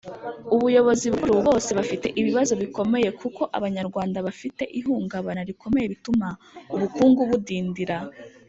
ubuyobozi bukuru bose bafite ibibazo bikomeye kuko abanyarwanda bafite ihungabana rikomeye bituma ubukungu budindira.